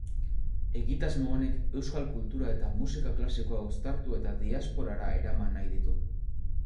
Egitasmo honek euskal kultura eta musika klasikoa uztartu eta diasporara eraman nahi ditu.